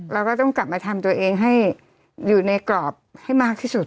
เราก็ต้องกลับมาทำตัวเองให้อยู่ในกรอบให้มากที่สุด